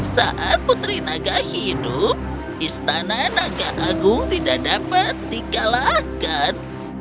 saat putri naga hidup istana naga agung tidak dapat dikalahkan